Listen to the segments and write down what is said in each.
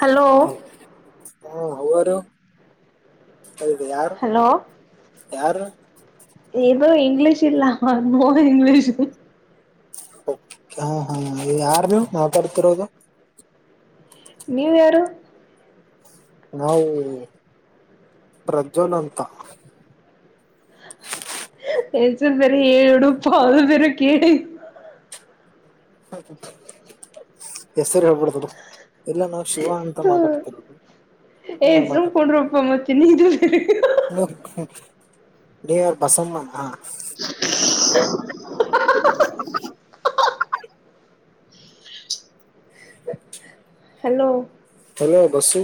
Hello ಹಾ how are you. ಇದು ಯಾರು ಯಾರು. ಇದು ಇಂಗ್ಲೀಷ್ ಇಲ್ಲ ನೋ ಇಂಗ್ಲೀಷ್. ಓಕೆ ಹಾ ಹಾ ಯಾರ್ ನೀವು ಮಾತಾಡ್ತಿರೋದು. ನೀವ್ ಯಾರೂ. ನಾವು ಪ್ರಜ್ವಲ್ ಅಂತ. ಹ ಹೆಸರ್ ಬೇರೆ ಏಡುು [unintelligible] ಹೆಸರ ಹೇಳ್ಬಡ್ ಬಿಡ್ ಎಲ್ಲ ನಾವ್ ಶಿವಾ ಅಂತ ಮಾತಾಡ್ತಿರೋದು. ಏ ನೀವ್ ಸುಮ್ಮ ಕುಂಡ್ರೊಪ್ಪಾ ಮತ್ತ ನಿಂದ ಬೇರೆ. ನೀ ಯಾರ್ ಬಸಮ್ಮನ್ ಹ. [unintelligible] ಆ ಹೆಲೋ. Hello bus.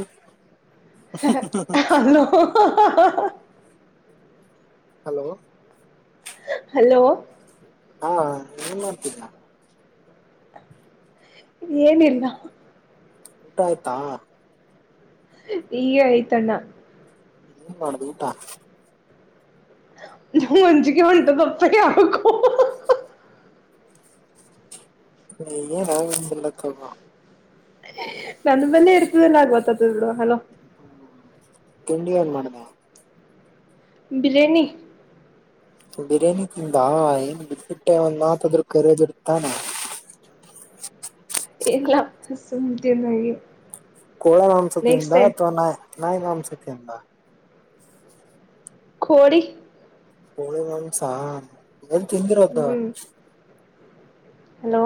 ಹೆ ಹೆ ಹ ಹಲೋ ಹ ಹ ಹಾ ಹಾ ಹಲೋ. ಹೆಲೋ. ಹಾ ಏನ್ ಮಾಡ್ತೀದಿರಾ. ಏನಿಲ್ಲ. ಊಟ ಆಯ್ತಾ. ಈಗೆ ಆಯ್ತಣ್ಣ. ಏನ್ ಮಾಡದ್ರಿ ಊಟಾ. ನಂಗ್ ಅಂಜಿಕಿ ಹೊಂಟುದ ಅಪ್ಪಾ ಯಾಕೋ. ಏ ಏನ್ [unintelligible] ನನ್ ಬಲ್ಲೆ ಇರ್ತುದ ಅಲಾ ಗೊತ್ತಾತುದ್ ಬಿಡೋ ಹಲೋ. ತಿಂಡಿ ಏನ್ ಮಾಡ್ದೇ. ಬಿರೇಣಿ ಬಿರಿಯಾನಿ ತಿಂದಾ ಏನ್ ಬಿಟ್ಬಿಟ್ಟೆ ಒಂದ ಮಾತದ್ರು ಕರೆಯೋದ ಇತ್ತ್ ತಾನೆ. ಇಲ್ಲಾ ಸುಮ್ ತಿಂದ ಹಂಗೆ. ಕೋಳ ಮಾಂಸ ತಿಂದಾ ಅಥವಾ ನಾಯ್ ನಾಯಿ ಮಾಂಸ ತಿಂದಾ. ಕೋಳಿ. ಕೋಳಿ ಮಾಂಸ ಎಲ್ಲಿ ತಿಂದಿರೋದು. ಹ್ಮ್ ಹಲೋ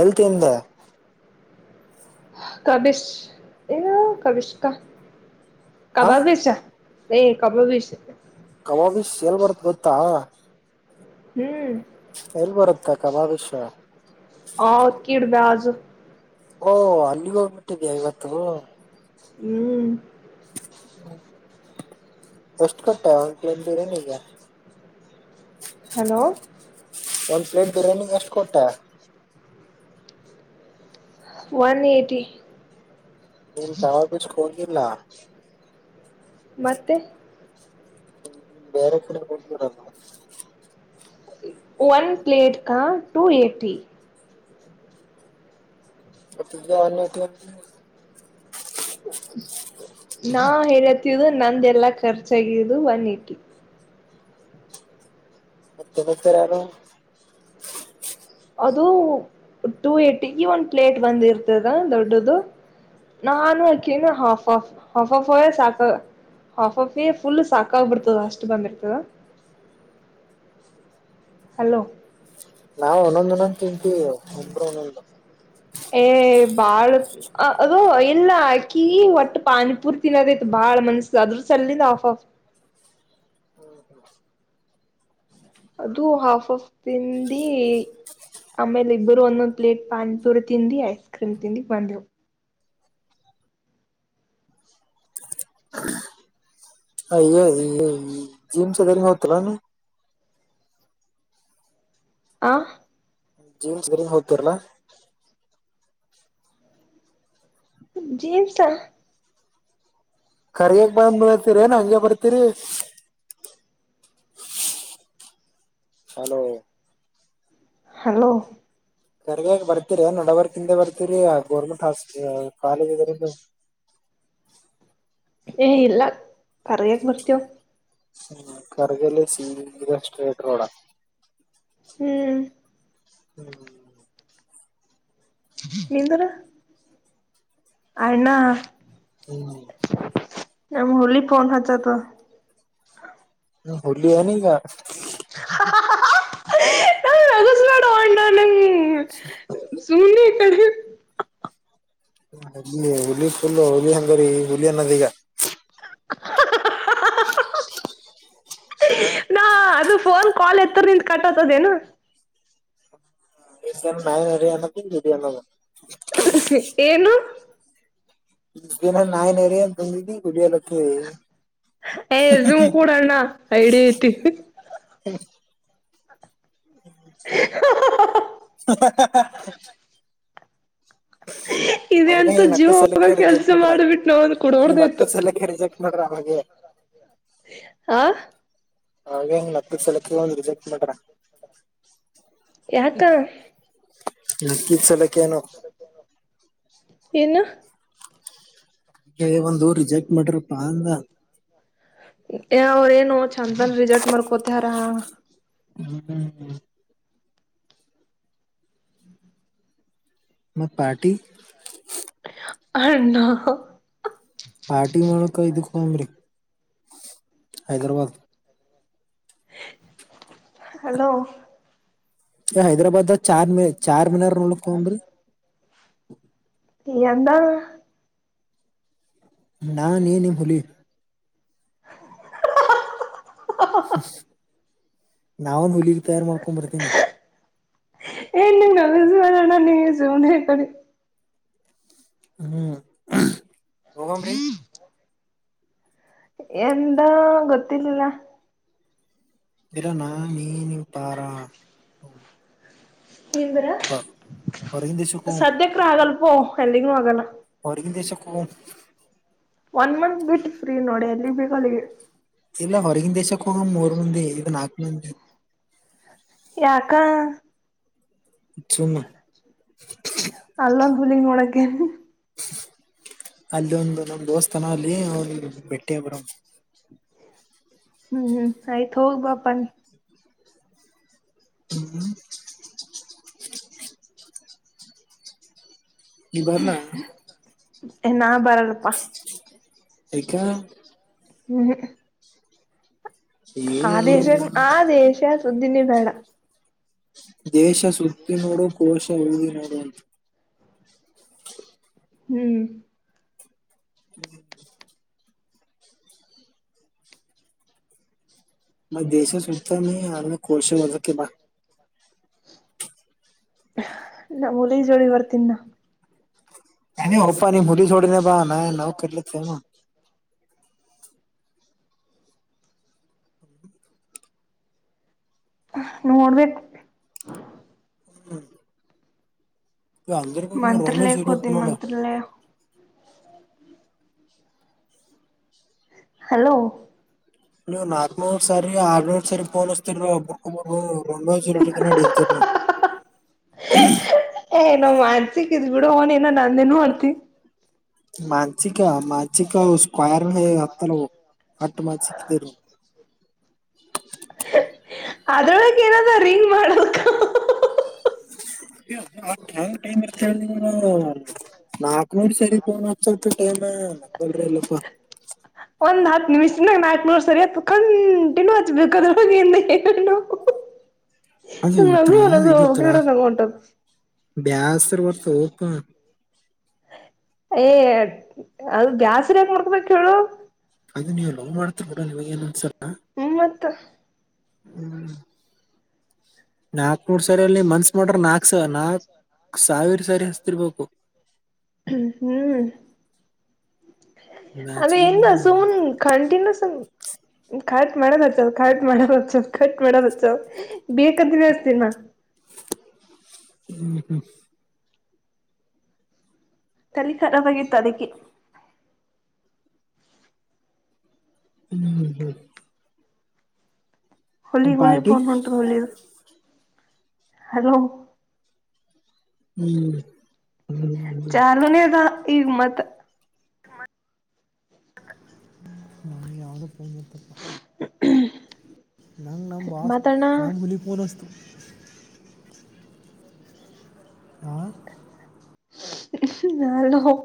ಎಲ್ ತಿಂದೆ. ಕಬಿಷ್ ಏ ಕಬಿಷ್ಕ ಹ ಕಬಾಬಿಷಾ. ಏ ಕಬಾಬೀಷ ಕಬಾಬೀಷ್ ಎಲ್ ಬರ್ತ ಗೊತ್ತಾ ಹ್ಮ್ ಎಲ್ಲ ಬರುತ್ತ ಕಬಾಬಿಷ ಹೌಕಿರ ಬಾಜು ಓ ಅಲ್ಲಿಗ ಹೋಗ್ ಬಿಟ್ಟಿದಿಯಾ ಇವತ್ತು ಹ್ಮ್ ಹ್ಮ ಎಷ್ಟು ಕೂಟ್ಟೆ ಒಂದ ಪ್ಲೇಟ ಬೀರಿಯನಿಗೆ ಹಲೋ ಒಂದ್ ಪ್ಲೇಟ್ ಬಿರಾನಿಗ್ ಏಷ್ಟ‌ ಕೊಟ್ಟೆ ಒನ್ ಏಯಟಿ ನೀನು ಕಬಾಬಿಷಗ ಹೋಗೀಲ್ಲ ಮತ್ತೆ ಹ್ಮ್ ಬೇರೆ ಕಡೆ ಹೋಗಿದರಲ್ಲ ಒನ್ ಪ್ಲೇಟ್ ಕ ಟೂ ಏಟಿ [inaudible] ನಾ ಹೇಳತಿದು ನಂದ ಎಲ್ಲಾ ಖರ್ಚಾಗಿದು ಒನ್ ಏಟಿ ಮತ್ತ ಎದಕ್ಕಾರ ಅದು ಟೂ ಏಟಿಗಿ ಒಂದ್ ಪ್ಲೇಟ್ ಬಂದಿರ್ತದ ದೊಡ್ಡದು ನಾಾನು ಅಕ್ಕಿನು ಹಾಫಫ ಹಾಫಫ ಹಾಫಫ ಒಳಗ ಸಾಕ ಹಾಫ್ ಆಫ್ ಪೆ ಫುಲ್ ಸಾಕಾಗ್ಬಿಡ್ತದ ಅಷ್ಟ ಬಂದಿರ್ತದ [unintelligible] ಹಲೋ ನಾವು ಒಂದೊಂದಂದು ತಿಂತೀವಿ ಇಬ್ಬರು ಒಂದೊಂದು ಏ ಬಾಳ ಅ ಅದೋ ಇಲ್ಲ ಹಾಕಿ ಒಟ್ಟ ಪಾನಿಪೂರಿ ತಿನ್ನದಿತ್ತ ಬಾಳ ಮನಸ ಅದ್ರ ಸಲ್ಲಿಲ್ಲ ಆಫ್ ಆಫ್ ಅದು ಹಾಫ್ ಆಫ್ ತಿಂದಿ ಆಮೇಲ ಇಬ್ಬರು ಒಂದೊಂದ್ ಪ್ಲೇಟ್ ಪಾನಿಪುರಿ ತಿಂದಿ ಐಸ್ ಕ್ರೀಮ್ ತಿಂದಿ ಬಂದವಿ ಅಯ [unintelligible] ಹೋಗತಲ್ಲಾನ ಆ ಜೀನ್ಸ್ ಗರಿನ್ ಹೋಗ್ತೀರಲಾ ಜೀನ್ಸಾ ಕರಿಯಕ್ ಬಂದ್ ಬರ್ತೀರಿ ಏನ ಹಂಗೆ ಬರ್ತೀರಿ ಹಲೋ ಹಲೋ ಕರಗ್ಯಾಗ ಬರ್ತೀರಿ ನಡಬರ್ಕಿಂದೆ ಬರ್ತೀರಿ ಗೌರ್ಮೆಂಟ್ ಹಾಸ್ಪ ಕಾಲೇಜ್ ಇದರಿಂದ ಏ ಇಲ್ಲ ಕರಿಗ್ಯಗ ಬರತ್ತೆವ ಕರಿಗ್ಯಲಿಂದ ಸೀದ ಸ್ಟ್ರೇಟ್ ರೋಡಾ ಹ್ಮ್ ಹ್ಮ್ ಹ್ಮ ನಿಂದರ ಅಣ್ಣ ಹ್ಮ್ ನಮ್ಮ ಹುಲಿ ಫೋನ್ ಹಚ್ಚತದ ಹ್ಮ ಹುಲಿ ಏನಿಗ ಹಾ ಹಾ ಹ ನನಗೆ ನಗಸ ಬ್ಯಾಡೋ ಅಣ್ಣ ನನಗ ಸುಮ್ನೆ ಈಕಡಿ ಹು ಹು ಫುಲ್ ಹುಲಿ ಹಂಗರಿ ಹುಲಿ ಅನ್ನದ ಈಗ [inaudible] ನಾ ಅದು ಫೋನ್ ಕಾಲ್ ಎತ್ತರ್ ನಿಂದ ಕಟ್ತಾದೇನ ನ ಅಯನ್ನ ಅನ್ನ ಏನು ದನ ನಾಯನ್ರಿ ತ ಗುಲ್ಲ ಏ ಹ್ಮ ಸುಮ್ ಕೂಡಣ್ಣ ಐಡಿ ಐತಿ [inaudible] ಹ್ಮ ಇದೆ ಅವಾಗ ಅಂತ ಹಿಂಗ ನಕ್ಕ ಜೀವೋಗ ಸಲಕ್ಕೆ ಕೆಲ್ಸ ರಿಜೆಕ್ಟ್ ಮಾಡ್ರ ಮಾಡಿಬಿಟ್ಟು ನಾವ ಒಂದು ಈ ಕುಡಬಡ್ದ ನಕ್ಕ ಇತ್ತು ಸಲಕ್ಕೆ ರಿಜೆಕ್ಟ್ ಮಾಡ್ರ ಅವಾಗೆ ಆಾ ಹಾಗೆಂಗ ನತ್ತ ಸಲಕ್ ಒಂದ್ ರಿಜೆಕ್ಟ್ ಮಾಡ್ರ ಯಾಕಾ ನಕ್ಕ ಸಲಕ್ಕೇಏನು ನ್ನ ಅ ಒಂದು ರಿಜೆಕ್ಟ್ ಮಾಡ್ರಪ್ಪಾ ಅಂದ ಅವ್ರೇಏನು ಚಂದನ್ ರರಿಜೆಕ್ಟ್ ಮಾಡ್ಕೋತಾರ ಹ್ಮ್್ಮ್ಮ ಹ್ಮ್ ಮತ್ತ ಪಾರ್ಟಿ ಅ ನ ಪಾಟಿ ಮಳಕ ಇದು ಕಂಬರಿ ಹೈದರಾಬಾಾದ್ ಹಲೋ ಹೈದ್ರಾಬಾದ್ ಚಾರ್ ಮ ಚಾರ್ ಮಿನಾರ ನೋಡ್ಡಕಂಬ್ರಿ ಎಂತ ನಾ ನೀ ನೀ ಭೂಲಿ ನವುನ್ ಹಲಿ ತಾರ ಮಾಡಳಕುಂಬತನಿ ಣ ನೀಸನ ಹ ಹೀ ಎಂದ ಗೊತ್ತಲಿಲ್ಲ ಬರಾ ನಾ ನೀ ನೀ ಪಾರಾ ನಿಂದರ ಹೊರಗಿನ ದೇಶಕ್ಕೆ ಹೋಗಂ ಸದ್ಯಕ್ರ ಆಗಲ್ಪೋ ಎಲ್ಲಿಗ್ನುೂ ಆಗಲ್ಲ ಎ ದೇಶಕ್ಕ ಒನ್ ಮಂತ್ ಬಿಟ್ಟ ಫ್ರೀ ನೋಡಿ ಎಲ್ಲಿ ಬಗ ಇಲ್ಲ ಹೊರಗಿನ ದೇಶಕ್ಕೂಹ ಮೂರು ಮಂದಿ ಇಗ ನಾಲ್ಕು ಮಂದಿ ಯಾಕ ಜುಮ್ಮ ಅಲ್ಲಂದ ಹುಲಿಗ್ ನೋಡಕೇ ಅಲ್ಲಿೊಂದು ನಮ ದೋಸ್ಥಾನ ಅಲ್ಲಿ ಅವನು ಬೆಟ್ಟಿ ಬರ ಹ್ಮ್ ಹ್ಮ್ ಆಯ್ತ್ು ಹೋಗ್ ಬಾಪಾನ ಹ್ಮ್ ಈ ಬಾರನಾ ನಾ ಬರಲ್ಲಪ್ಪಾ ಈಕ ಹ್ಮ್್ಮ ಇನ್ನ ಆ ದೇಶ ಸುದ್ದಿನೇ ಬೇಡ ದೇಶ ಸುತ್ತಿ ನೋಡು ಕೋಶ ಇಳಿದ ನೋಡು ಹ್ಮ್ ಹ್ಮ್ ಮ ದಸೆ ಸುಚ್ತ ನೀ ಹಾಗೆ ಕರ್ಸೆ ಬ ನಾ ಮುಲ ಜೋಳಿ ಬರ್ತೀನ್ ನ ನ ಹಪಾ ನೀ ಮುಲಿ ಸೋಡಿ ಬ ನಾವು ಕೆಲಿ ಸ ನೀ ನೋಡ್ಬೇಕು ಹ್ಮ್ ನೀ ಅಂದರು ಕ ನೀವು ರೋನು ಮಂತ್ರಾಲಯಕ್ಕೆ ಸಟ್ಟ ಹೋತೀನಿ ನೋಡ ಮಂತ್ರಾಲಯ ಹಲೋ ನೀ ನಾ ಹ ಸರಿ ಆರ್ ಸರಿಫೋನ್ ಅಸ್ತರ ಒರ ದಿನ ಡಿಂತರ ನವು ಏ ನೋ ಮಾನ್ಸಕ್ ಇ್ ಬಿಡ ಹನ ಏನ ನಂದ ನ್ ಮಾಡ್ತಿೀ ಮಾಂಸಿಕ ಮಾಸಿಕ ಕೊಯಾರ ಹತ್ತಲವು ಹಟ್ಟು ಮಾಡ ಚಿಕ್ಕ ತೀರು ಅದ್ರೊಳಕ್ ಏನದ ರಿಂಗ್ ಮಾಡಕ್ ಹಾ ಹಾ ಹಾ ಮ ನಾಕ್ನೂರ್ ಸರಿ ೋನ್ ಹಸು ಟೈಮ ಮಕ್ಕಳ್ರಿ ಎಲ್ಲಪ್ಪ ಹ ನಿಮ್ ಚನ್ನಾಗ ನತ್ ನೋಡ್ ಸರಿ ಅಥ ಕಂಟಿ ಹಚ್ಬೇಕದ್ರ ಅದುತ್ರ ಇ ನಗು ಹೊಂಟದ್ ಬಸ್ರ್ ಸಕ ಏ ಅದು ಗ್ಯಸ್ರಾಗ ನಡ್ಕಬೇಕ ಹೇಳು ಇದು ನೀವು ಲೋನ್ ಮಾಡತಡ ನೀವ ಏ ಅನ್ಸರ್ ಹ್ಮ ಮತ್ತ ಹ್ಮ್ ನಾಕ್ ಮೂರ್ ಸರಿ ಅಲ್ಲಿ ಮನ್ಸ್ ಮಾಡ್ರ ನಾಕ್ ನಾಕ್ ಸಾವಿರ ಸಾರಿ ಹಸ್ಿರ್ಬೇಕು ್ಮ ಹ್ಮ್ ಅೇ ನಾಚಿಗೆ ಏನು ನಸು ಹ್ಮ್ ಕಂಟಿನ್ಯೂಸ ಖಾಟ್ ಮಾಡೋದ್ಚ್ಚಲ್ ಖಟ್ ಮಾಡೋದ್ಚ್ಚಲ್ ಟ್ ಮಾಡದ್ಚ್ಚಲ್ ಬೇಕದಿನಸ್ತೀನ್ ಹ್ಮ್ ಹ್ಮ್ ತಲ್ಲಿ ಖರಾ್ಗತ್ತು ಅದಕ್ಕೆ ಹ್ಮ್ ಹ್ಮ್ ಹೊಲಿ ಹೊಲಿ ಪಾರ್ಟಿ ಪೋನ್ ಹೊಂಟು ಹೊಲಿದ ಹಲೋ ಹ್ಮ್ ಹ್ಮ್ ಚಾರ್ ಮನದ ಈಗ ಮತ್ತ ನಾನ ಯಾವವುದೋ ಪತಪ್ಪ ನಂಗೆ ನಮ್ಮ ಭಾಸ್ ಮಾತಾಡಣ ನಮ್ಮ ಹುಲಿಫೋನ ಅಷ್ಟು ಹಾ ನಾ ಹ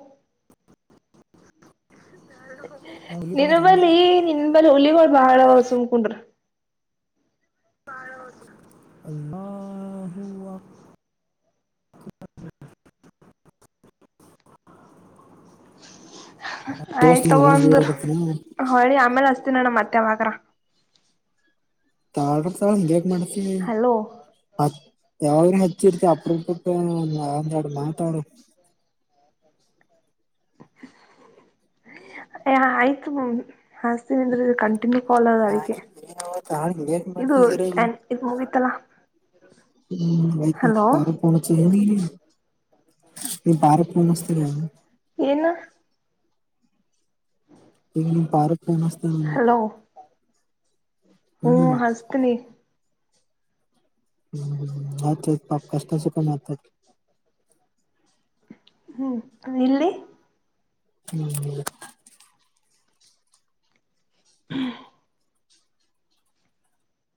ನಮ್ಮ ಹುಲಿ ಫೋನ್ ನಿನ್ ಹಸ್ತು. ಬಲ್ಲಿ ನಿನ್ ಬಳಿ ಹುಲಿಗಳುಳ ಬಾಳ ಸುಮಕಂಡ್ರ ಅಲ್ಲೂ ವಕ್ ಹ ಹ ದೋಸ್ತ್ ಆಯ್ತಗ ನಮಾಜ್ ಒಂದ್ರ ಬೀಳಲತ್ತನ ಹೊಳಿ ಆಮೇಲೆ ಅಸ್ತೀನಣ್ಣ ಮತ್ತೆ ಯಾಗಾದ್ರು ತಾಳ್ರ ತಾಳ ಬೇಕ್ ಮಾಡ್ತಿವಿ ಹಲೋ ಹತ್ ಯಾವಾಗ್ರ ಹತ್ ತ ಅಪಪಕ್ಕ ಆಂದ ಆಡು ಮಾತಾಡ [unintelligible] ಆಯ್ತು ಹಸ್ತೀನ ಅಂದ್ರೆ ಕ ಿ ಕಾಲದ ಅದಕ್ಕೆ ಲೇಟ್ ಇದು ಮಾಡ್ತಿದೀರ ಇದು ಮುಗತಲ್ಲಾ ಹ್ಮ್ ತಾರ ಪ ಚ [unintelligible] ನೀ ಬಾರ ಮೋನ್ಸ್ತಿ ಏನು ಈಗ ನಿಮ್ಮ ಪಾರಕ್ ೇಮಸ್ತ ಹ್ಮ್ ಹಸ್ತನಿ ಹ್ಮ್ ಆಯ್ತ ಪಾಪ ಕಷ್ಟ ಸುಖ ಮಾತಾಡು ಹ್ಮ್ ಇಲ್ಲಿ ಹ್ಮ್ [inaudible]